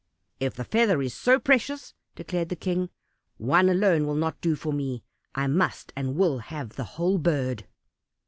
"If the feather is so precious," declared the King, "one alone will not do for me; I must and will have the whole bird!"